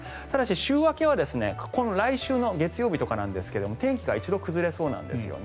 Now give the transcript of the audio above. ただし週明けは来週の月曜日とかなんですが天気が一度崩れそうなんです。